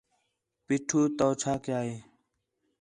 پیٹھو تو چھا کیا ہے